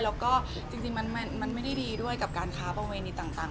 แล้วก็จริงมันไม่ได้ดีด้วยกับการค้าประเวณีต่าง